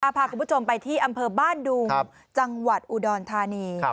พาคุณผู้ชมไปที่อำเภอบ้านดุงจังหวัดอุดรธานี